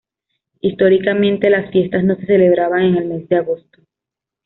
Históricamente las fiestas no se celebraban en el mes de agosto.